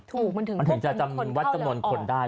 ถูกมันถึงจะจำนึงวัดเจ้าวนคนได้